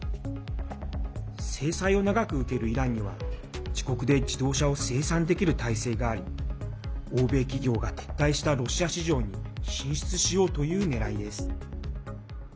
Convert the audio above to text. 制裁を長く受けるイランには自国で自動車を生産できる体制があり欧米企業が撤退したロシア市場に進出しようというねらいです。